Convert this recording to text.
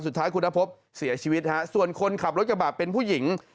สุดท้ายคุณนพบเสียชีวิตฮะส่วนคนขับรถกระบะเป็นผู้หญิง